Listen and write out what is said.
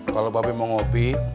kalau bapak mau ngopi